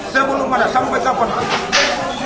sebelum ada sampai kapanpun